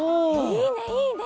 いいねいいね！